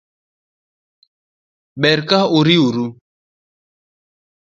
Ber ka uriuru